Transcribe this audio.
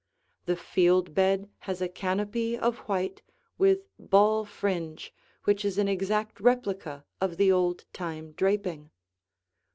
The Field bed has a canopy of white with ball fringe which is an exact replica of the old time draping.